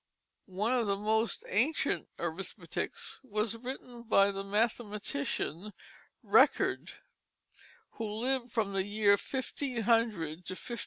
One of the most ancient arithmetics was written by the mathematician Record, who lived from the year 1500 to 1558.